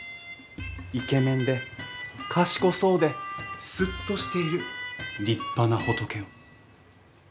イケメンで賢そうでスッとしている立派な仏を。